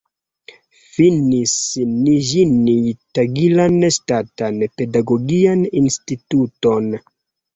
Finis Niĵnij-Tagilan Ŝtatan Pedagogian Instituton.